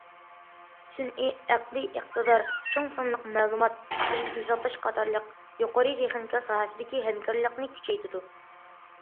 سۈنئىي ئەقلىي ئىقتىدار، چوڭ سانلىق مەلۇمات، بۇلۇت ھېسابلاش قاتارلىق يۇقىرى تېخنىكا ساھەسىدىكى ھەمكارلىقنى كۈچەيتىدۇ.